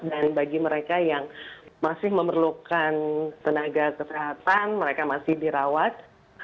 dan bagi mereka yang masih memerlukan tenaga kesehatan mereka masih dirawat